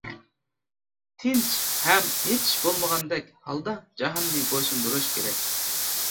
تىنچ ھەم ھېچ ئىش بولمىغاندەك ھالدا جاھاننى بويسۇندۇرۇش كېرەك.